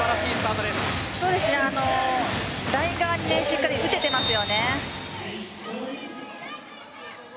ライト側にしっかり打てています。